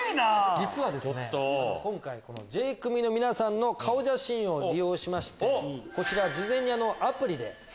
実は今回Ｊ組の皆さんの顔写真を利用しまして事前にアプリで。